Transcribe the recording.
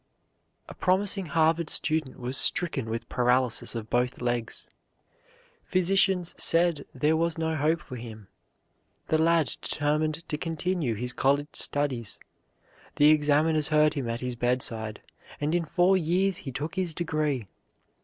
A promising Harvard student was stricken with paralysis of both legs. Physicians said there was no hope for him. The lad determined to continue his college studies. The examiners heard him at his bedside, and in four years he took his degree.